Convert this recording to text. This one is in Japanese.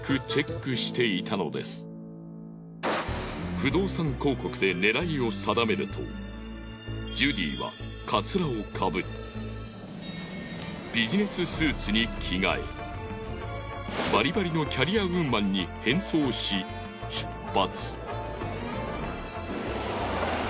不動産広告で狙いを定めるとジュディはカツラをかぶりビジネススーツに着替えバリバリのキャリアウーマンに変装し出発。